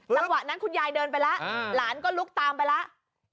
จังหวะนั้นคุณยายเดินไปแล้วหลานก็ลุกตามไปแล้ว